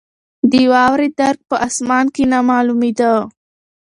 د واورې درک په اسمان کې نه معلومېده.